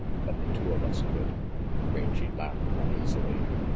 But the two of us could." Rangy laughed uneasily.